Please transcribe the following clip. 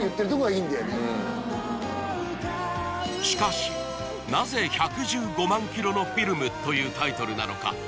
しかしなぜ「１１５万キロのフィルム」というタイトルなのか？